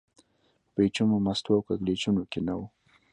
په پېچومو، مستو او کږلېچونو کې نه و.